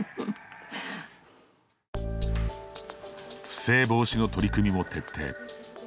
不正防止の取り組みも徹底。